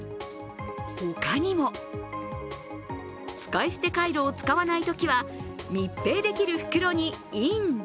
ほかにも、使い捨てカイロを使わないときには密閉できる袋にイン。